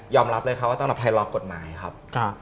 รับเลยครับว่าสำหรับไทยรอกฎหมายครับ